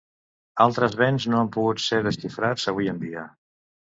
Altres béns no han pogut ser desxifrats avui en dia.